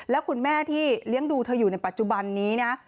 แล้วคุณแม่ที่เลี้ยงดูเธออยู่ในปัจจุบันนี้นะ